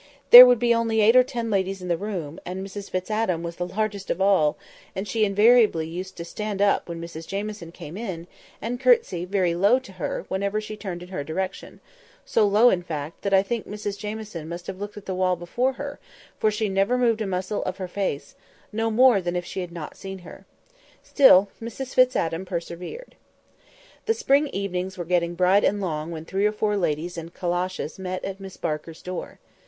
There would be only eight or ten ladies in the room, and Mrs Fitz Adam was the largest of all, and she invariably used to stand up when Mrs Jamieson came in, and curtsey very low to her whenever she turned in her direction—so low, in fact, that I think Mrs Jamieson must have looked at the wall above her, for she never moved a muscle of her face, no more than if she had not seen her. Still Mrs Fitz Adam persevered. The spring evenings were getting bright and long when three or four ladies in calashes met at Miss Barker's door.